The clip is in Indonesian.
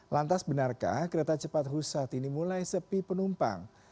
lantas benarkah kereta cepat husat ini mulai sepi penumpang